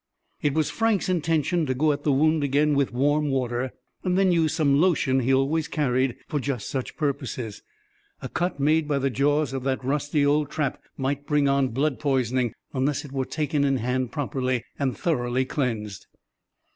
It was Frank's intention to go at the wound again with warm water, and then use some lotion he always carried for just such purposes. A cut made by the jaws of that rusty old trap might bring on blood poisoning, unless it were taken in hand properly, and thoroughly cleansed.